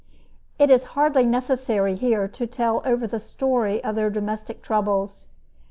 It is hardly necessary here to tell over the story of their domestic troubles.